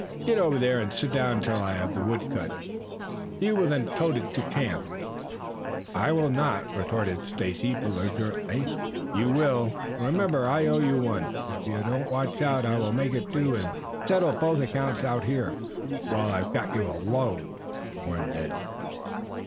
"Get over there and sit down till I have the wood cut. You will then tote it to camp." "I will then not," retorted Stacy belligerently. "You will yes. Remember I owe you one. If you don't watch out I will make it two and settle both accounts out here while I've got you alone," warned Ned.